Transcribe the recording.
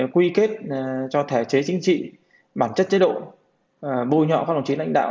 quy kết cho thể chế chính trị bản chất chế độ bôi nhọ pháp luật chính lãnh đạo